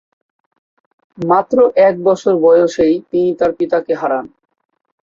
মাত্র এক বছর বয়সেই তিনি তার পিতাকে হারান।